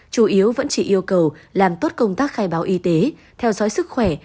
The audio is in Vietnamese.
chủ yếu vẫn chỉ yêu cầu làm tốt công tác khai báo y tế theo dõi sức khỏe